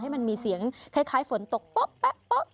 ให้มันมีเสียงคล้ายฝนตกพ็บป๊ะแบบนี้